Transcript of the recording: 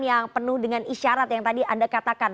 yang penuh dengan isyarat yang tadi anda katakan